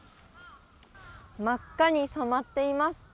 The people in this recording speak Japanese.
真っ赤に染まっています。